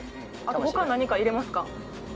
他何か入れますか？